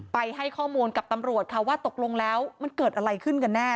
ให้ข้อมูลกับตำรวจค่ะว่าตกลงแล้วมันเกิดอะไรขึ้นกันแน่